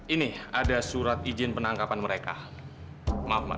ini ada surat izin penangkapan mereka maaf mbak